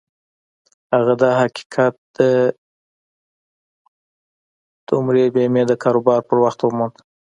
هغه دا حقيقت د عمري بيمې د کاروبار پر وخت وموند.